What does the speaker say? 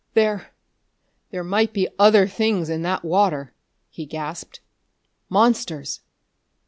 "There there might be other things in that water!" he gasped. "Monsters!"